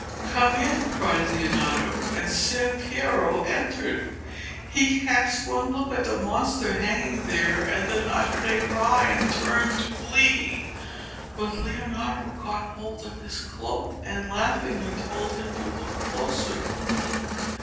'Come in,' cried Leonardo, and Ser Piero entered. He cast one look at the monster hanging there and then uttered a cry and turned to flee, but Leonardo caught hold of his cloak and laughingly told him to look closer.